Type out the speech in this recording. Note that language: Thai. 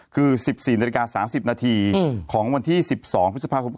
คือ๑๔นาฬิกา๓๐นาทีของวันที่๑๒พฤษภาคม